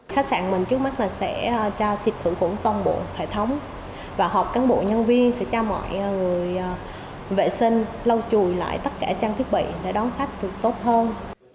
khách sạn mình trước mắt sẽ tra xịt khử khủng tông bộ hệ thống và họp cán bộ nhân viên sẽ tra mọi người vệ sinh lau chùi lại tất cả trang thiết bị để đón khách được tốt hơn